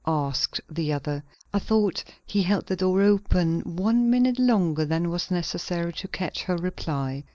asked the other. I thought he held the door open one minute longer than was necessary to catch her reply.